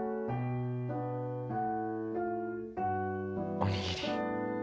おにぎり。